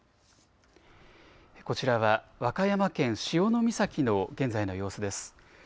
こちらは和歌山県潮岬の現在の様子です。